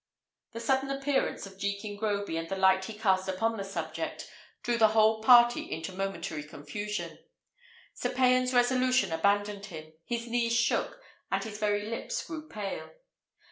The sudden appearance of Jekin Groby, and the light he cast upon the subject, threw the whole party into momentary confusion. Sir Payan's resolution abandoned him; his knees shook, and his very lips grew pale.